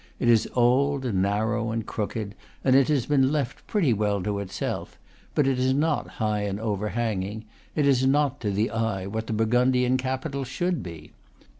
It is old and narrow and crooked, and it has been left pretty well to itself: but it is not high and overhanging; it is not, to the eye, what the Burgundian capital should be.